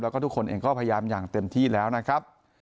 แล้วก็ทุกคนเองก็พยายามอย่างเต็มที่แล้วนะครับ